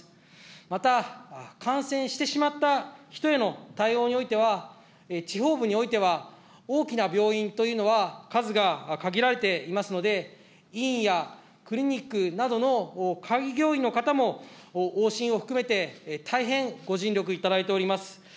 また、感染してしまった人への対応においては、地方部においては、大きな病院というのは数が限られていますので、医院やクリニックなどの開業医の方も、往診を含めて、大変ご尽力いただいております。